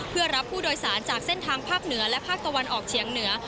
เพื่อรับผู้โดยสารจากเส้นทางภาคเหนือและภาคตะวันออกเฉียงเหนือ